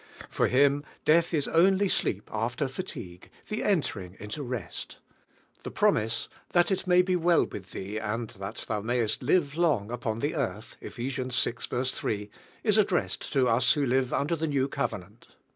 For him death is only sleep rf ter fatigue, the entering into rest. The promise, "That it may be well with thee, and thai thou niaycK l live long upon the earth" (Eph. vi. 3) is addressed to us who live under the New Covenant.